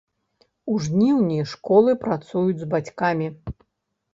У жніўні школы працуюць з бацькамі.